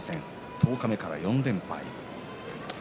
十日目から４連敗。